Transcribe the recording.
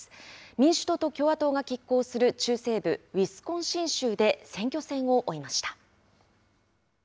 民主党と共和党がきっ抗する中西部ウィスコンシン州で選挙戦を追いました。